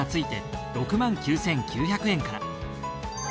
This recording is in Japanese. ６９，９００円から。